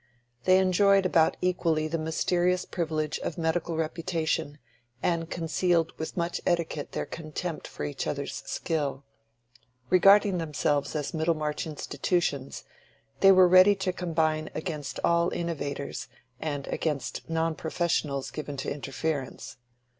They enjoyed about equally the mysterious privilege of medical reputation, and concealed with much etiquette their contempt for each other's skill. Regarding themselves as Middlemarch institutions, they were ready to combine against all innovators, and against non professionals given to interference.